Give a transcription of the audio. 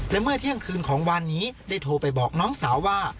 และเมื่อเที่ยงคืนของวานนี้ได้โทรไปบอกน้องสาวว่า